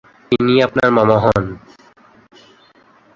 ইনি আপনার মামা হন।